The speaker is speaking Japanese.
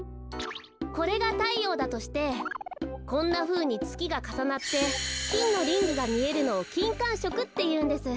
これがたいようだとしてこんなふうにつきがかさなってきんのリングがみえるのをきんかんしょくっていうんです。